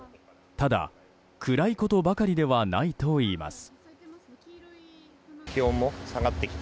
ただ、暗いことばかりではないといいます。